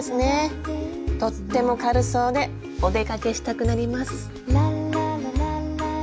とっても軽そうでお出かけしたくなります。